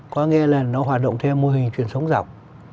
có nghĩa là nó hoạt động theo mô hình chuyển sống rộng